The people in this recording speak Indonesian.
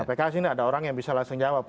pks ini ada orang yang bisa langsung jawab